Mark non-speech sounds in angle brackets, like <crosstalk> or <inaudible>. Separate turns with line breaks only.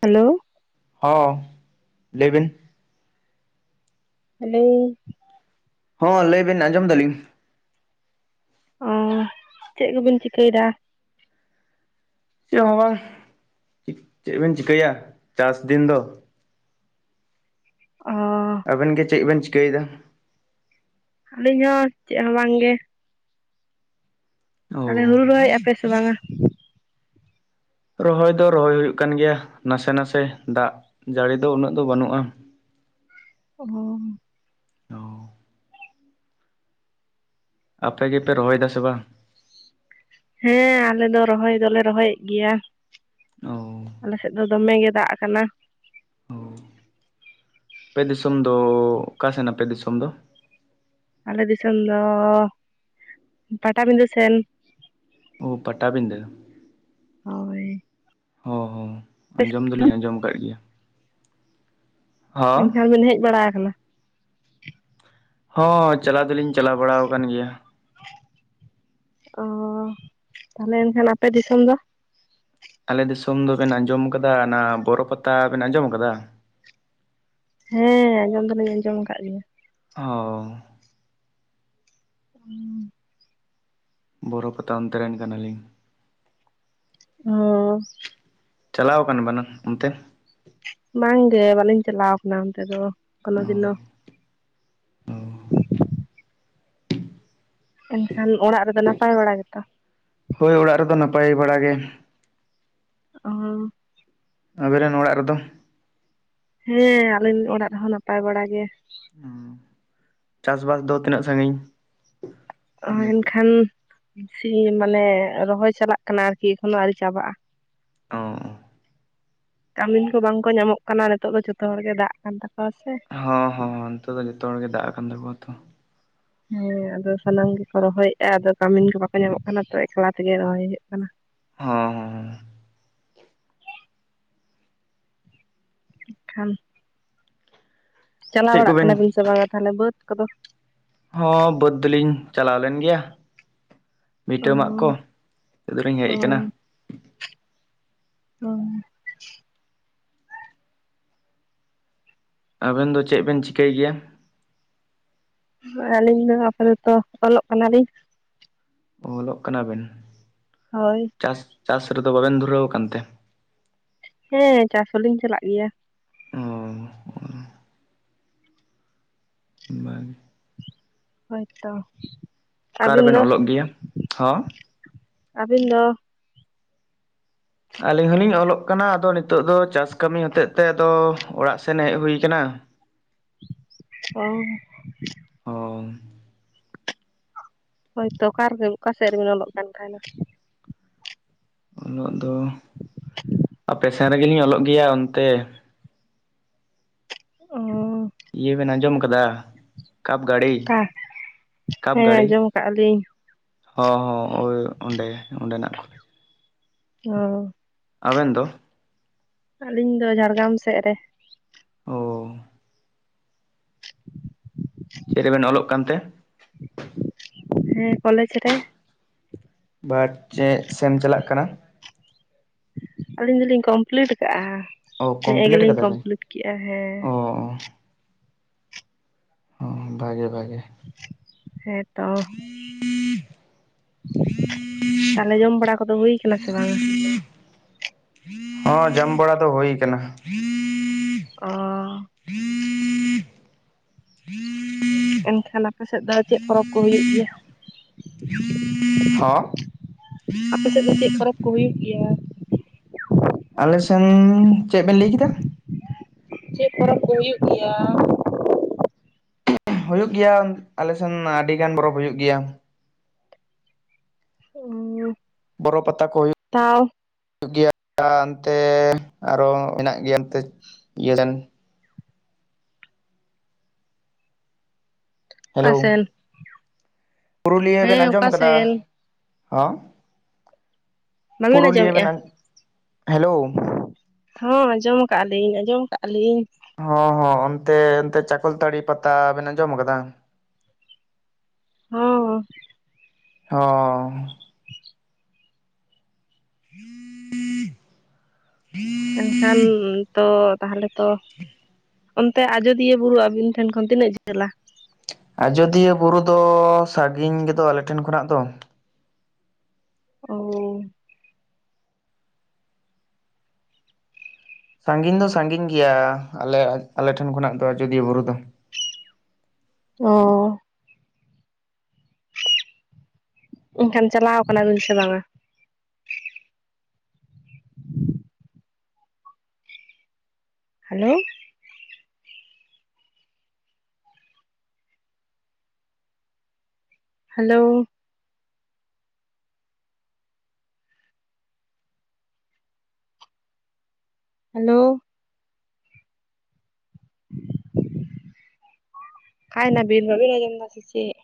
Hello,
ᱦᱚᱸ, ᱞᱟᱹᱭ ᱵᱤᱱ?
ᱟᱞᱮ <unintelligible>
ᱦᱚᱸ, ᱞᱟᱹᱭ ᱵᱤᱱ ᱟᱸᱡᱚᱢ ᱫᱟᱞᱤᱧ?
ᱚᱸ, ᱪᱮᱫ ᱠᱚᱵᱤᱱ ᱪᱤᱠᱟᱹᱭᱫᱟ?
ᱪᱮᱫ ᱦᱚᱸ ᱵᱟᱝ, ᱪᱮᱫ ᱵᱤᱱ ᱪᱤᱠᱟᱹᱭᱟ ᱪᱟᱥ ᱫᱤᱱ ᱫᱚ?
ᱚᱸ,
ᱟᱵᱮᱱ ᱜᱮ, ᱪᱮᱫ ᱵᱮᱱ ᱪᱤᱠᱟᱹᱭᱮᱫᱟ?
ᱟᱹᱞᱤᱧ ᱦᱚᱸ, ᱪᱮᱫ ᱦᱚᱸ ᱵᱟᱝ ᱜᱮ' ᱛᱟᱦᱚᱞᱮ
ᱚ
ᱦᱩᱲᱩ ᱨᱚᱦᱚᱭ ᱮᱜᱼᱟ ᱯᱮ ᱥᱮ ᱵᱟᱝᱟ?
ᱨᱚᱦᱚᱭ ᱫᱚ ᱨᱚᱦᱚᱭ ᱦᱩᱭᱩᱜ ᱠᱟᱱ ᱜᱮᱭᱟ, ᱱᱟᱥᱮ ᱱᱟᱥᱮ ᱫᱟᱜ ᱡᱟᱹᱲᱤ ᱫᱚ ᱩᱱᱟᱹᱜ ᱫᱚ ᱵᱟᱹᱱᱩᱜᱼᱟ᱾
ᱚ,
ᱚ ᱟᱯᱮ ᱜᱮ ᱯᱮ ᱨᱚᱦᱚᱭᱫᱟ ᱥᱮ ᱵᱟᱝ?
ᱦᱮᱸ ᱟᱞᱮ ᱫᱚ ᱨᱚᱦᱚᱭ ᱫᱚᱞᱮ ᱨᱚᱦᱚᱭᱮᱫ ᱜᱮᱭᱟ,
ᱚ
ᱟᱞᱮ ᱥᱮᱫ ᱫᱚ ᱫᱚᱢᱮ ᱜᱮ ᱫᱟᱜ ᱠᱟᱱᱟ᱾
ᱚ ᱟᱯᱮ ᱫᱤᱥᱚᱢ ᱫᱚ ᱚᱠᱟ ᱥᱮᱱ ᱟᱯᱮ ᱫᱤᱥᱚᱢ ᱫᱚ?
ᱟᱞᱮ ᱫᱤᱥᱚᱢ ᱫᱚ ᱯᱟᱴᱟᱵᱤᱸᱫᱟᱹ ᱥᱮᱱ᱾
ᱚ ᱯᱟᱴᱟᱵᱤᱸᱫᱟᱹ,
ᱦᱳᱭ
ᱦᱚᱸ ᱦᱚᱸ ᱟᱸᱡᱚᱢ ᱫᱚᱞᱤᱧ ᱟᱸᱡᱚᱢ ᱟᱠᱟᱫ ᱜᱮᱭᱟ᱾ ᱦᱚᱸ
ᱮᱱᱠᱷᱟᱱ ᱵᱤᱱ ᱦᱮᱡ ᱵᱟᱲᱟ ᱟᱠᱟᱱᱟ᱾
ᱦᱚᱸ ᱪᱟᱞᱟ ᱫᱚᱞᱤᱧ ᱪᱟᱞᱟᱣ ᱵᱟᱲᱟᱣ ᱟᱠᱟᱱ ᱜᱮᱭᱟ᱾
ᱚ ᱛᱟᱦᱚᱞᱮ ᱮᱱᱠᱷᱟᱱ ᱟᱯᱮ ᱫᱤᱥᱚᱢ ᱫᱚ?
ᱟᱞᱮ ᱫᱤᱥᱚᱢ ᱫᱚ ᱵᱮᱱ ᱟᱸᱡᱚᱢ ᱟᱠᱟᱫᱟ, ᱚᱱᱟ ᱵᱚᱨᱚ ᱯᱟᱛᱟ ᱵᱮᱱ ᱟᱸᱡᱚᱢ ᱟᱠᱟᱫᱟ᱾
ᱦᱮᱸ ᱟᱸᱡᱚᱢ ᱫᱚᱞᱤᱧ ᱟᱸᱡᱚᱢ ᱟᱠᱟᱫ ᱜᱮᱭᱟ᱾
ᱚᱻ
<unintelligible>
ᱵᱚᱨᱚ ᱯᱟᱛᱟ ᱚᱱᱛᱮ ᱨᱮᱱ ᱠᱟᱱᱟᱞᱤᱧ᱾
<unintelligible>
ᱪᱟᱞᱟᱣ ᱠᱟᱱ ᱵᱤᱱ ᱚᱱᱛᱮ
ᱵᱟᱝ ᱜᱮ ᱵᱟᱞᱤᱧ ᱪᱟᱞᱟᱣ ᱠᱟᱱᱟ ᱚᱱᱛᱮ ᱫᱚ ᱠᱳᱱᱳ ᱫᱤᱱᱳ᱾ ᱮᱱᱠᱷᱟᱱ ᱚᱲᱟᱜ ᱨᱮᱫᱚ ᱱᱟᱯᱟᱭ ᱵᱟᱲᱟ ᱜᱮᱛᱚ?
ᱦᱳᱭ ᱚᱲᱟᱜ ᱨᱮᱫᱚ ᱱᱟᱯᱟᱭ ᱵᱟᱲᱟ ᱜᱮ᱾
ᱚ
ᱟᱵᱤᱱ ᱨᱮᱱ ᱚᱲᱟᱜ ᱨᱮ ᱫᱚ?
ᱦᱮᱸ ᱟᱹᱞᱤᱧ ᱚᱲᱟᱜ ᱨᱮᱦᱚᱸ ᱱᱟᱯᱟᱭ ᱵᱟᱲᱟ ᱜᱮ᱾
ᱦᱚᱸ ᱪᱟᱥ ᱵᱟᱥ ᱫᱚ ᱛᱤᱱᱟᱹᱜ ᱥᱟᱹᱜᱤᱧ?
ᱱᱚᱜ-ᱚᱭ ᱮᱱᱠᱷᱟᱱ ᱥᱤ ᱢᱟᱱᱮ ᱨᱚᱦᱚᱭ ᱪᱟᱞᱟᱜ ᱠᱟᱱᱟ ᱟᱨᱠᱤ ᱮᱠᱷᱚᱱᱳ ᱟᱨᱣᱨᱤ ᱪᱟᱵᱟᱜ-ᱟ᱾
ᱚ
ᱠᱟᱹᱢᱤᱱ ᱠᱚ ᱵᱟᱝ ᱠᱚ ᱧᱟᱢᱚᱜ ᱠᱟᱱᱟ᱾ ᱱᱤᱛᱚᱜ ᱫᱚ ᱡᱷᱚᱛᱚ ᱦᱚᱲ ᱜᱮ ᱫᱟᱜ ᱟᱠᱟᱱ ᱛᱟᱠᱚᱣᱟ ᱥᱮ᱾
ᱦᱚᱸ ᱦᱚᱸ ᱦᱚᱸ ᱱᱤᱛ ᱫᱚ ᱡᱷᱚᱛᱚ ᱦᱚᱲ ᱜᱮ ᱫᱟᱜ ᱟᱠᱟᱱ ᱛᱟᱠᱚᱣᱟ ᱛᱚ᱾
ᱦᱮᱸ ᱟᱫᱚ ᱥᱟᱱᱟᱢ ᱜᱮᱠᱚ ᱨᱚᱦᱚᱭᱮᱫ-ᱟ᱾ ᱟᱫᱚ ᱠᱟᱹᱢᱤᱱ ᱠᱚ ᱵᱟᱠᱚ ᱧᱟᱢᱚᱜ ᱠᱟᱱᱟ ᱛᱚ, ᱮᱠᱞᱟ ᱛᱮᱜᱮ ᱨᱚᱦᱚᱭ ᱦᱩᱭᱩᱜ ᱠᱟᱱᱟ᱾
ᱦᱚᱸ ᱦᱚᱸ
ᱮᱱᱠᱷᱟᱱ ᱪᱟᱞᱟᱣ
ᱪᱮᱫ
ᱵᱟᱲᱟᱜ
ᱠᱚᱵᱮᱱ
ᱠᱟᱱᱟ ᱵᱤᱱ ᱥᱮ ᱵᱟᱝᱟ ᱛᱟᱦᱚᱞᱮ ᱵᱟᱹᱫᱽ ᱠᱚ ᱫᱚ?
ᱦᱚᱸ ᱵᱟᱹᱫᱽ ᱫᱚ ᱞᱤᱧ ᱪᱟᱞᱟᱣ ᱞᱮᱱ ᱜᱮᱭᱟ᱾ ᱵᱷᱤᱴᱟᱹ ᱢᱟᱜ ᱠᱚ ᱱᱤᱛᱚᱜ ᱫᱚ ᱞᱤᱧ ᱦᱮᱡ ᱠᱟᱱᱟ᱾
ᱦᱚᱭ
ᱟᱵᱮᱱ ᱫᱚ ᱪᱮᱜ ᱵᱮᱱ ᱪᱤᱠᱟᱹᱭ ᱜᱮᱭᱟ?
ᱟᱹᱞᱤᱧ ᱫᱚ ᱟᱯᱟᱛᱚᱛᱚ ᱚᱞᱚᱜ ᱠᱟᱱᱟ ᱞᱤᱧ᱾
ᱚ ᱚᱞᱚᱜ ᱠᱟᱱᱟ ᱵᱤᱱ?
ᱦᱚᱭ
ᱪᱟᱥ ᱪᱟᱥ ᱨᱮ ᱫᱚ ᱵᱟᱵᱮᱱ ᱫᱷᱩᱨᱟᱹᱣ ᱠᱟᱱ ᱛᱮ?
ᱦᱮᱸ ᱪᱟᱥ ᱦᱚᱸ ᱞᱤᱧ ᱪᱟᱞᱟᱜ ᱜᱮᱭᱟ᱾
ᱦᱚ ᱵᱟᱝ
ᱦᱚᱭ ᱛᱚ
ᱚᱠᱟ
ᱟᱹᱵᱤᱱ
ᱨᱮᱵᱮᱱ
ᱫᱚ
ᱚᱞᱚᱜ ᱜᱮᱭᱟ ᱦᱚᱸ
ᱟᱹᱵᱤᱱ ᱫᱚ?
ᱟᱹᱞᱤᱧ ᱦᱚᱸ ᱞᱤᱧ ᱚᱞᱚᱜ ᱠᱟᱱᱟ᱾ ᱟᱫᱚ ᱱᱤᱛᱚᱜ ᱫᱚ ᱪᱟᱥ ᱠᱟᱹᱢᱤ ᱦᱚᱛᱮ ᱛᱮ ᱟᱫᱚ ᱚᱲᱟᱜ ᱥᱮᱱ ᱦᱮᱜ ᱦᱩᱭ ᱠᱟᱱᱟ᱾
ᱚ
ᱦᱚᱸ
ᱦᱳᱭ ᱛᱚ ᱚᱠᱟ ᱨᱮ ᱚᱠᱟ ᱥᱮᱫ ᱨᱮ ᱵᱤᱱ ᱚᱞᱚᱜ ᱠᱟᱱ ᱛᱟᱦᱮᱸᱱᱟ?
ᱚᱞᱚᱜ ᱫᱚ ᱟᱯᱮ ᱥᱮᱱ ᱨᱮᱜᱮ ᱞᱤᱧ ᱚᱞᱚᱜ ᱜᱮᱭᱟ ᱚᱱᱛᱮ᱾
ᱚ
ᱤᱭᱟᱹ ᱵᱮᱱ ᱟᱸᱡᱚᱢ ᱠᱟᱫᱟ? ᱠᱟᱯᱜᱟᱲᱤ
ᱚᱠᱟ ᱦᱮᱸ
ᱠᱟᱯᱜᱟᱲᱤ,
ᱟᱸᱡᱚᱢ ᱟᱠᱟᱫᱼᱟ ᱞᱤᱧ
ᱦᱚᱸ ᱦᱚᱸ ᱳᱭ ᱚᱸᱰᱮ ᱚᱸᱰᱮᱱᱟᱜ ᱠᱷᱚᱱ
ᱚᱼᱼ
ᱟᱵᱮᱱ ᱫᱚ‍?
ᱟᱹᱞᱤᱧ ᱫᱚ ᱡᱷᱟᱲᱜᱟᱢ ᱥᱮᱫ ᱨᱮ᱾
ᱚ᱾ ᱪᱮᱫ ᱨᱮᱵᱮᱱ ᱚᱞᱚᱜ ᱠᱟᱱᱛᱮ?
ᱦᱮᱸ ᱠᱚᱞᱮᱡᱽ ᱨᱮ᱾
ᱵᱟᱴ ᱪᱮᱫ ᱥᱮᱢ ᱪᱟᱞᱟᱜ ᱠᱟᱱᱟ?
ᱟᱹᱞᱤᱧ ᱫᱚ ᱞᱤᱧ ᱠᱚᱢᱯᱞᱤᱴ ᱟᱠᱟᱜ-ᱟ,
ᱚ
ᱱᱮᱜ-ᱮ ᱜᱮ
ᱠᱚᱢᱯᱞᱤᱴ
ᱞᱤᱧ
ᱠᱟᱫᱟ ᱵᱮᱱ
ᱠᱚᱢᱯᱞᱤᱴ ᱠᱮᱜ-ᱟ ᱦᱮᱸ᱾
ᱚ ᱦᱚᱸ ᱵᱷᱟᱜᱮ ᱵᱷᱟᱜᱮ᱾
ᱦᱮᱸ ᱛᱚ᱾ ᱛᱟᱦᱚᱞᱮ ᱡᱚᱢ ᱵᱟᱲᱟ ᱠᱚᱫᱚ ᱦᱩᱭ ᱟᱠᱟᱱᱟ ᱥᱮ ᱵᱟᱝᱟ?
ᱦᱚᱸ ᱡᱚᱢ ᱵᱟᱲᱟ ᱫᱚ ᱦᱩᱭ ᱟᱠᱟᱱᱟ᱾
ᱚᱼᱼ ᱮᱱᱠᱷᱟᱱ ᱟᱯᱮ ᱥᱮᱫ ᱫᱚ ᱪᱮᱫ ᱯᱚᱨᱚᱵᱽ ᱠᱚ ᱦᱩᱭᱩᱜ ᱜᱮᱭᱟ?
ᱦᱚᱸ
ᱟᱯᱮ ᱥᱮᱫ ᱫᱚ ᱪᱮᱫ ᱯᱚᱨᱚᱵᱽ ᱠᱚ ᱦᱩᱭᱩᱜ ᱜᱮᱭᱟ?
ᱟᱞᱮ ᱥᱮᱱ, ᱪᱮᱫ ᱵᱮᱱ ᱞᱟᱹᱭ ᱠᱮᱫᱟ?
ᱪᱮᱫ ᱯᱚᱨᱚᱵᱽ ᱠᱚ ᱦᱩᱭᱩᱜ ᱜᱮᱭᱟ?
ᱦᱩᱭᱩᱜ ᱜᱮᱭᱟ ᱟᱞᱮ ᱥᱮᱱ ᱢᱟ ᱟᱹᱰᱤ ᱜᱟᱱ ᱯᱚᱨᱚᱵᱽ ᱦᱩᱭᱩᱜ ᱜᱮᱭᱟ᱾
<unintelligible>
ᱵᱚᱨᱚ ᱯᱟᱛᱟ ᱠᱚ ᱦᱩᱭᱩᱜ
ᱛᱟᱣ
ᱦᱩᱭᱩᱜ ᱜᱮᱭᱟ ᱚᱱᱛᱮ ᱟᱨᱚ ᱢᱮᱱᱟᱜ ᱜᱮᱭᱟ᱾ ᱤᱭᱟᱹᱞᱮᱱ ᱦᱮᱞᱳ
ᱚᱠᱟᱥᱮᱱ?
ᱯᱩᱨᱩᱞᱤᱭᱟᱹ ᱵᱮᱱ ᱟᱸᱡᱚᱢ
ᱚᱠᱟ
ᱠᱟᱫᱟ?
ᱥᱮᱱ
ᱦᱚᱸ
ᱵᱟᱹᱵᱤᱱ
ᱯᱩᱨᱩᱞᱤᱭᱟᱹ
ᱟᱸᱡᱚᱢᱮᱫᱼᱟ?
ᱵᱮᱱ ᱟᱡᱚᱢ ᱦᱮᱞᱳᱼᱼ
ᱦᱚᱸ ᱟᱸᱡᱚᱢ ᱠᱟᱜᱼᱟ ᱞᱤᱧ ᱟᱸᱡᱚᱢ ᱠᱟᱜᱼᱟ ᱞᱤᱧ᱾
ᱦᱚᱸ ᱦᱚᱸ ᱚᱱᱛᱮ ᱚᱱᱛᱮ ᱪᱟᱠᱚᱞᱛᱟᱹᱲᱤ ᱯᱟᱛᱟ ᱵᱮᱱ ᱟᱸᱡᱚᱢ ᱠᱟᱫᱟ?
ᱦᱩᱸ
ᱦᱚᱸ <inaudible> <unintelligible>
ᱢᱮᱱᱠᱷᱟᱱ ᱛᱚ ᱛᱟᱦᱚᱞᱮ ᱛᱚᱼᱼ ᱚᱱᱛᱮ ᱟᱡᱚᱫᱤᱭᱟᱹ ᱵᱩᱨᱩ ᱟᱵᱤᱱ ᱴᱷᱮᱱ ᱠᱷᱚᱱ ᱛᱤᱱᱟᱹᱜ ᱡᱷᱟᱹᱞᱟ?
ᱟᱡᱚᱫᱤᱭᱟᱹ ᱵᱩᱨᱩ ᱫᱚ ᱥᱟᱹᱜᱤᱧ ᱜᱮᱫᱚ ᱟᱞᱮᱴᱷᱮᱱ ᱠᱷᱚᱱᱟᱜ ᱫᱚ᱾
ᱚᱼᱼ
ᱥᱟᱺᱜᱤᱧ ᱫᱚ ᱥᱟᱺᱜᱤᱧ ᱜᱮᱭᱟ, ᱟᱞᱮ ᱟᱞᱮ ᱴᱷᱮᱱ ᱠᱷᱚᱱᱟᱜ ᱫᱚ ᱟᱡᱚᱫᱤᱭᱟᱹ ᱵᱩᱨᱩ ᱫᱚ᱾
ᱚ ᱮᱱᱠᱷᱟᱱ ᱪᱟᱞᱟᱣ ᱠᱟᱱᱟ ᱵᱤᱱ ᱥᱮ ᱵᱟᱝᱟ? ᱦᱮᱞᱳᱼᱼ ᱦᱮᱞᱳᱼᱼ ᱦᱮᱞᱳᱼᱼ ᱚᱠᱟᱭᱱᱟ ᱵᱤᱱ ᱵᱟᱵᱤᱱ ᱟᱸᱡᱚᱢ ᱫᱟᱥᱮ ᱪᱮᱫ?